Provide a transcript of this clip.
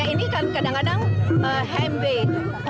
ya ini kan kadang kadang hembi omsik ya